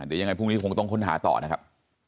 เดี๋ยวยังไงพรุ่งนี้คงต้องค้นหาต่อนะครับ